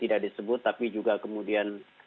tidak disebut tapi juga kemudian